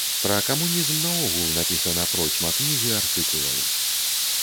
Пра камунізм наогул напісана процьма кніг і артыкулаў.